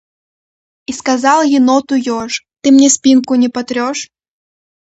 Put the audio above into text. И сказал еноту еж: «Ты мне спинку не потрешь?»